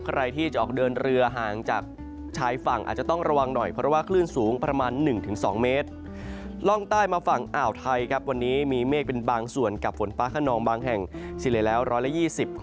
ใครที่จะออกเดินเรือห่างจากชายฝั่งอาจจะต้องระวังหน่อย